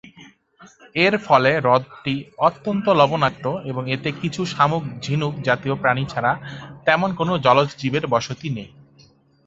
এর ফলে হ্রদটি অত্যন্ত লবণাক্ত এবং এতে কিছু শামুক-ঝিনুক জাতীয় প্রাণী ছাড়া তেমন কোন জলজ জীবের বসতি নেই।